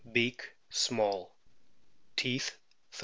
Beak small. Teeth, 35 37.